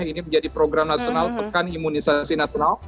ini menjadi program nasional pekan imunisasi nasional